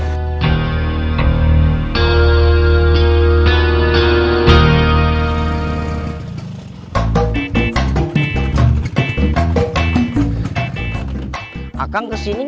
agar kamu bisa menang